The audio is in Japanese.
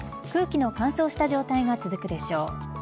空気の乾燥した状態が続くでしょう。